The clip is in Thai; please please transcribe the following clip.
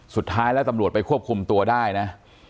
สุดท้ายแล้วตำรวจไปควบคุมตัวได้นะ